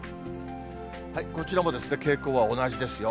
こちらも傾向は同じですよ。